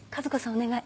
お願い。